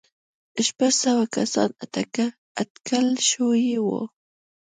شپږ سوه کسان اټکل شوي وو.